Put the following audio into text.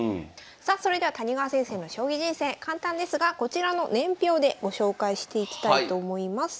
さあそれでは谷川先生の将棋人生簡単ですがこちらの年表でご紹介していきたいと思います。